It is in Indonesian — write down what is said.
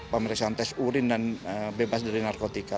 pemeriksaan tes urin dan bebas dari narkotika